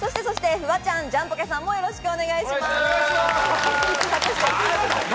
フワちゃん、ジャンポケさん、よろしくお願いします。